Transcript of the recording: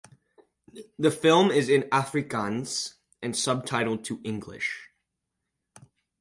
The film is in Afrikaans and subtitled to English.